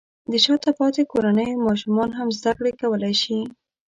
د شاته پاتې کورنیو ماشومان هم زده کړې کولی شي.